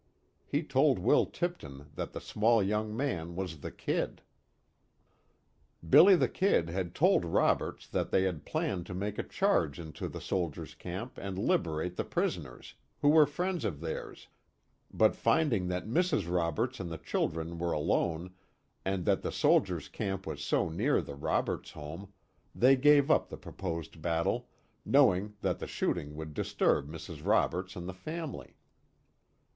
He told Will Tipton that the small young man was the "Kid." "Billy the Kid" had told Roberts that they had planned to make a charge into the soldiers' camp and liberate the prisoners, who were friends of theirs, but finding that Mrs. Roberts and the children were alone, and that the soldiers' camp was so near the Roberts home, they gave up the proposed battle, knowing that the shooting would disturb Mrs. Roberts and the family.